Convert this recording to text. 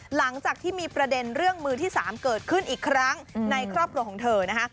หลังจากที่มีประเด็นเรื่องมือที่๓เกิดขึ้นอีกครั้งในครอบครัวของเธอนะคะ